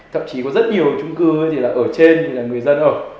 thậm chí có rất nhiều trung cư thì là ở trên thì là người dân ở